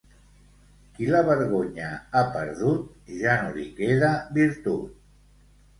Qui la vergonya ha perdut, ja no li queda virtut.